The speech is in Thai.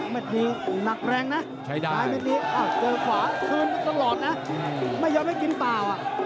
มันมีหนักแรงนะใช้ได้โดยขวาคืนตลอดนะไม่ยอมให้กินเปล่า